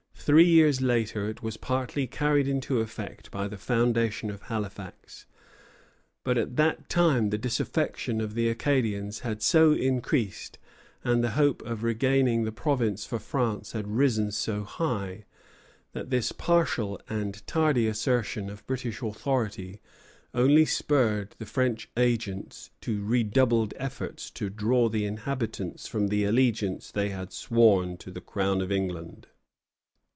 Three years later it was partly carried into effect by the foundation of Halifax; but at that time the disaffection of the Acadians had so increased, and the hope of regaining the province for France had risen so high, that this partial and tardy assertion of British authority only spurred the French agents to redoubled efforts to draw the inhabitants from the allegiance they had sworn to the Crown of England.